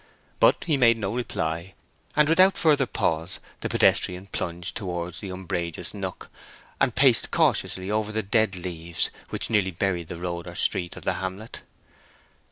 But he made no reply, and without further pause the pedestrian plunged towards the umbrageous nook, and paced cautiously over the dead leaves which nearly buried the road or street of the hamlet.